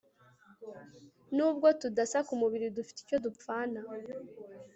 n'ubwo tudasa ku mubiri dufite icyo dupfana